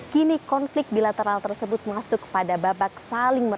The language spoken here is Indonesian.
kini konflik bilateral tersebut masuk kepada babak saling merauk di dalam